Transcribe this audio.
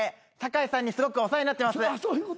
酒井さんにすごくお世話になってます。